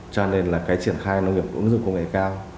cho nên là cái triển khai nông nghiệp ứng dụng công nghệ cao